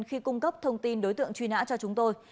khi cung cấp thông tin đối tượng truy nã cho chúng tôi